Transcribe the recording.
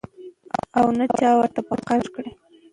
او نه چا ورته په قرض ورکړې.